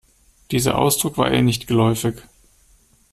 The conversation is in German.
Dieser Ausdruck war ihr nicht geläufig.